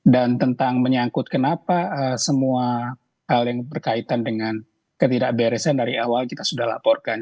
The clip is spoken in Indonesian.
dan tentang menyangkut kenapa semua hal yang berkaitan dengan ketidakberesan dari awal kita sudah laporkan